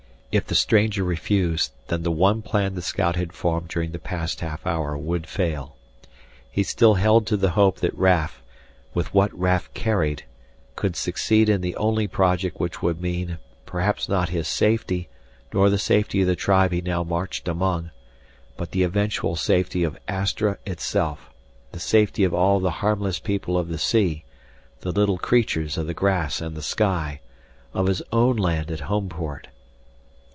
If the stranger refused, then the one plan the scout had formed during the past half hour would fail. He still held to the hope that Raf, with what Raf carried, could succeed in the only project which would mean, perhaps not his safety nor the safety of the tribe he now marched among, but the eventual safety of Astra itself, the safety of all the harmless people of the sea, the little creatures of the grass and the sky, of his own land at Homeport.